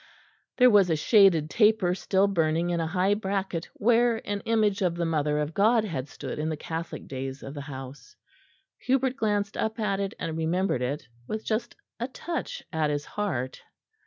There was a shaded taper still burning in a high bracket where an image of the Mother of God had stood in the Catholic days of the house. Hubert glanced up at it and remembered it, with just a touch at his heart.